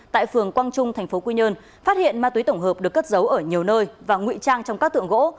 tại phường quang trung tp quy nhơn phát hiện ma túy tổng hợp được cất giấu ở nhiều nơi và ngụy trang trong các tượng gỗ